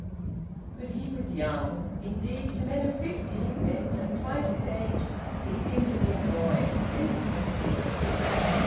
But he was young. Indeed to men of fifty, men just twice his age, he seemed a mere boy and incapable of grief.